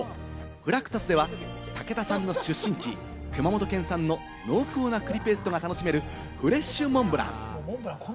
ＦＲＵＣＴＵＳでは、武田さんの出身地・熊本県産の濃厚な栗ペーストが楽しめる、フレッシュモンブラン。